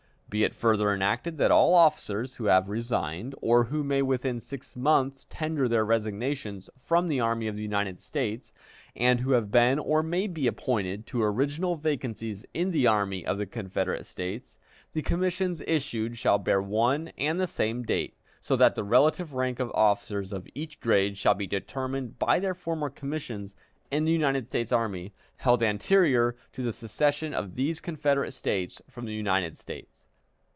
"Be it further enacted that all officers who have resigned, or who may within six months tender their resignations, from the Army of the United States, and who have been or may be appointed to original vacancies in the Army of the Confederate States, the commissions issued shall bear one and the same date, so that the relative rank of officers of each grade shall be determined by their former commissions in the United States Army, held anterior to the secession of these Confederate States from the United States."